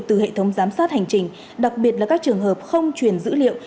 từ hệ thống giám sát hành trình đặc biệt là các trường hợp không truyền dữ liệu